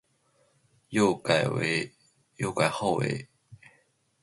又改号为雍穆长公主。